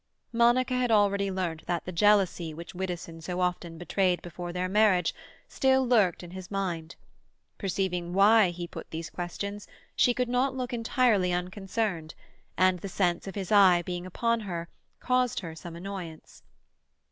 Monica had already learnt that the jealousy which Widdowson so often betrayed before their manage still lurked in his mind. Perceiving why he put these questions, she could not look entirely unconcerned, and the sense of his eye being upon her caused her some annoyance.